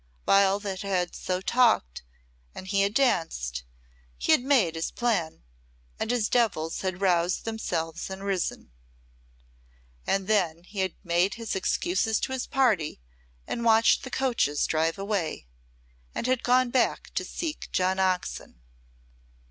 While they had so talked and he had danced he had made his plan, and his devils had roused themselves and risen. And then he had made his excuses to his party and watched the coaches drive away, and had gone back to seek John Oxon.